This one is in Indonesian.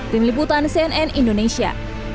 tim liputan cnn indonesia